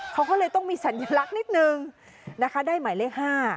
เขาก็เลยต้องมีสัญลักษณ์นิดนึงนะคะได้หมายเลข๕